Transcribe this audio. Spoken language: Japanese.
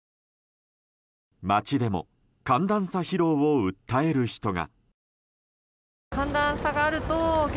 街でも寒暖差疲労を訴える人が。